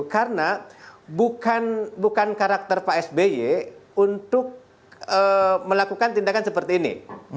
karena bukan karakter pak sby untuk melakukan tindakan seperti ini